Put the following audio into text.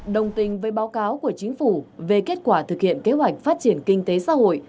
đồng tình với báo cáo của chính phủ về kết quả thực hiện kế hoạch phát triển kinh tế xã hội